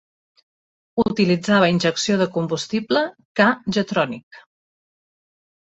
Utilitzava injecció de combustible K-jetronic.